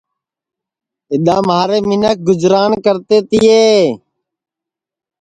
اِدؔا مہارے منکھ گُجران کرتے تیے